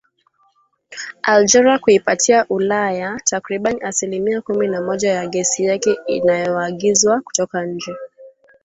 Algeria kuipatia ulaya takribani asilimia kumi na moja ya gesi yake inayoagizwa kutoka nje